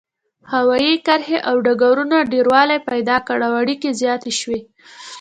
هوايي کرښې او ډګرونو ډیروالی پیدا کړ او اړیکې زیاتې شوې.